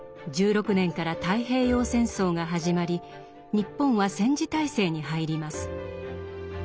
１６年から太平洋戦争が始まり日本は戦時体制に入ります。